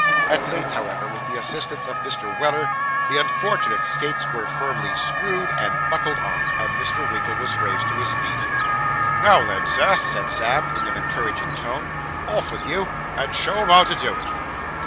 At length, however, with the assistance of Mr. Weller, the unfortunate skates were firmly screwed and buckled on, and Mr. Winkle was raised to his feet. 'Now, then, Sir,' said Sam, in an encouraging tone; 'off vith you, and show 'em how to do it.